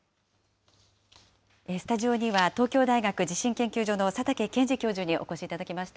スタジオには東京大学地震研究所の佐竹健治教授にお越しいただきました。